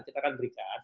kita akan berikan